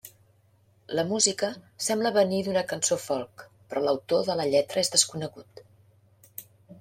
La música sembla venir d'una cançó folk, però l'autor de la lletra és desconegut.